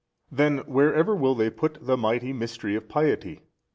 A. Then wherever will they put the mighty Mystery of piety?